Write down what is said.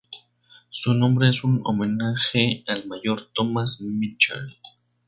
Su nombre es un homenaje al mayor Thomas Mitchell.